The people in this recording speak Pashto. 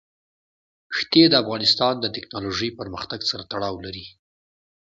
ښتې د افغانستان د تکنالوژۍ پرمختګ سره تړاو لري.